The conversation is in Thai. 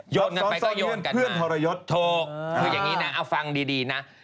ยนต์ไปก็โยงกันมาถูกคืออย่างนี้นะเอาฟังดีนะสุดท้าย